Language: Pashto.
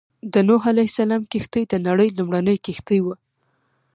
د نوح عليه السلام کښتۍ د نړۍ لومړنۍ کښتۍ وه.